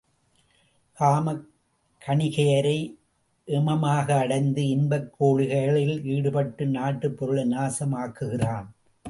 காமக் கணிகையரை ஏமமாக அடைந்து இன்பக் கேளிக்கையில் ஈடுபட்டு நாட்டுப் பொருளை நாசம் ஆக்குகிறான்.